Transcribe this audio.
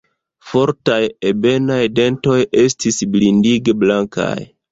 Fortaj, ebenaj dentoj estis blindige blankaj.